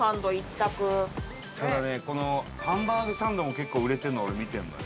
ただねこのハンバーグサンドも結構売れてるのは俺見てるのよ。